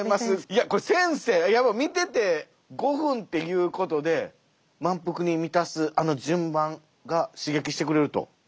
いやこれ先生見てて５分っていうことで満腹に満たすあの順番が刺激してくれると。